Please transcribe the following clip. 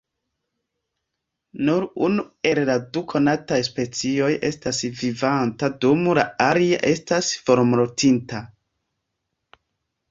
Nur unu el la du konataj specioj estas vivanta dum la alia estas formortinta.